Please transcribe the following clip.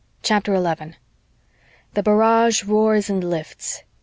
CHAPTER 11 The barrage roars and lifts.